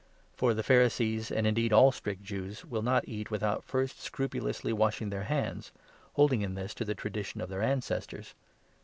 (For the Pharisees, and 3 indeed all strict Jews, will not eat without first scrupulously washing their hands, holding in this to the traditions of their ancestors.